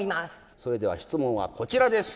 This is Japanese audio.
それでは質問はこちらです。